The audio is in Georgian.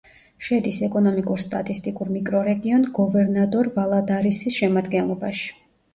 შედის ეკონომიკურ-სტატისტიკურ მიკრორეგიონ გოვერნადორ-ვალადარისის შემადგენლობაში.